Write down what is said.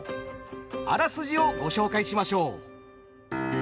あらすじをご紹介しましょう。